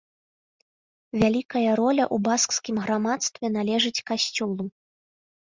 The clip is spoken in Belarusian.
Вялікая роля ў баскскім грамадстве належыць касцёлу.